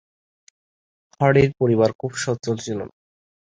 হার্ডির পরিবার খুব সচ্ছল ছিল না।